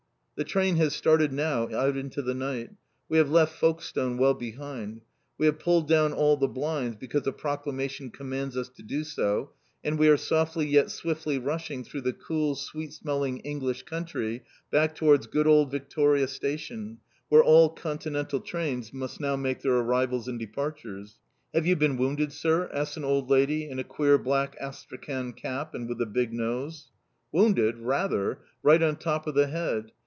The train has started now out into the night. We have left Folkestone well behind. We have pulled down all the blinds because a proclamation commands us to do so, and we are softly, yet swiftly rushing through the cool, sweet smelling English country back towards good old Victoria Station, where all continental trains must now make their arrivals and departures. "Have you been wounded, Sir?" asks an old lady in a queer black astrakhan cap, and with a big nose. "Wounded? Rather! Right on top of the head."